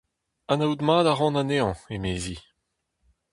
Anaout mat a ran anezhañ, emezi.